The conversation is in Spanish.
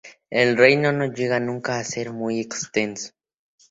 El reino no llegó nunca a ser muy extenso.